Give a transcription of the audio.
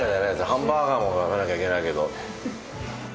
ハンバーガーも食べなきゃいけないけど。